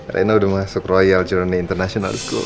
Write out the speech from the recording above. rena udah masuk royal jurani international school sd